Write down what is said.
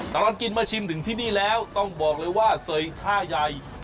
ตอนรัสกินมาชิมถึงที่นี่แล้วต้องบอกเลยว่าเสย้นค่ายัย